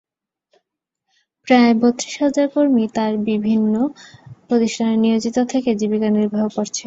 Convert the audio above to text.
প্রায় বত্রিশ হাজার কর্মী তার বিভিন্ন প্রতিষ্ঠানে নিয়োজিত থেকে জীবিকা নির্বাহ করছে।